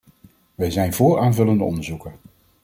Wij zijn voor aanvullende onderzoeken.